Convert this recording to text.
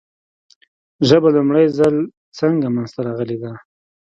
ژبه لومړی ځل څنګه منځ ته راغلې ده ؟